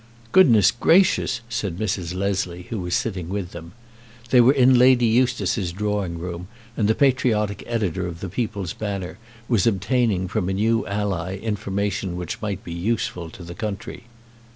"Goodness gracious!" said Mrs. Leslie, who was sitting with them. They were in Lady Eustace's drawing room, and the patriotic editor of the "People's Banner" was obtaining from a new ally information which might be useful to the country.